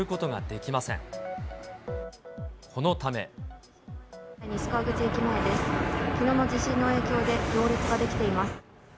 きのうの地震の影響で行列が出来ています。